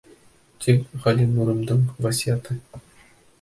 Тик Ғәлинурымдың васыяты...